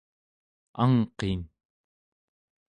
angqin